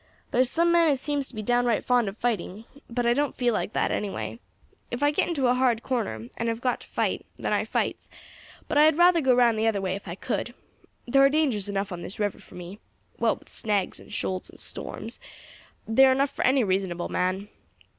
There's some men as seems to me to be downright fond of fighting; but I don't feel like that, anyway. If I get into a hard corner, and have got to fight, then I fights, but I had rather go round the other way if I could. Thar are dangers enough on this river for me; what with snags, and shoals, and storms, they are enough for any reasonable man.